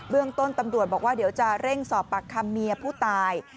เรื่องต้นตำรวจบอกว่าเดี๋ยวจะเร่งสอบปากคำเมียผู้ตาย